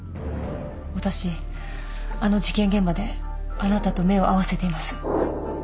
私あの事件現場であなたと目を合わせています。